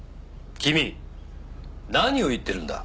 君何を言ってるんだ？